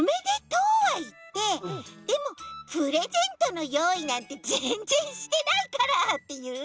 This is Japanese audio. はいってでも「プレゼントのよういなんてぜんぜんしてないから」っていう？